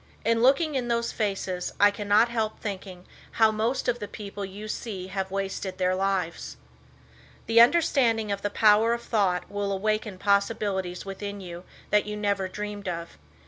In looking in those faces I cannot help thinking how most of the people you see have wasted their lives. The understanding of the power of thought will awaken possibilities within you that you never dreamed of.